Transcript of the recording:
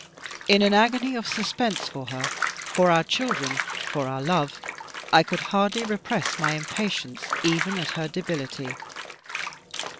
In an agony of suspense for her, for our children, for our love, I could hardly repress my impatience even at her debility.